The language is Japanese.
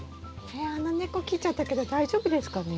あんな根っこ切っちゃったけど大丈夫ですかね？